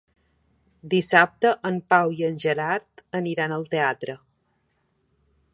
Dissabte en Pau i en Gerard aniran al teatre.